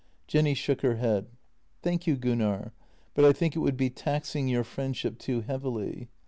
Jenny shook her head: " Thank you, Gunnar — but I think it would be taxing your friendship too heavily."